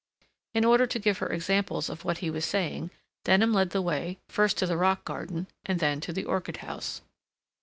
In order to give her examples of what he was saying, Denham led the way, first to the Rock Garden, and then to the Orchid House.